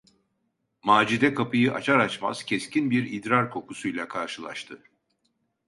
Macide kapıyı açar açmaz keskin bir idrar kokusuyla karşılaştı.